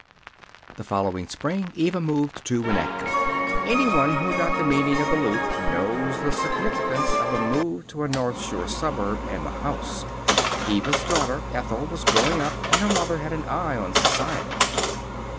The following spring Eva moved to Winnetka. Anyone who got the meaning of the Loop knows the significance of a move to a North Shore suburb, and a house. Eva's daughter, Ethel, was growing up, and her mother had an eye on society.